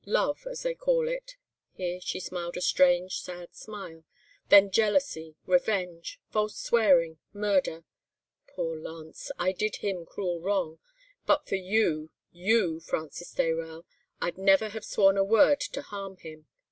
Love—as they call it—' here she smiled a strange, sad smile, 'then jealousy, revenge, false swearing, murder—Poor Lance! I did him cruel wrong, and but for you, you, Francis Dayrell, I'd never have sworn a word to harm him.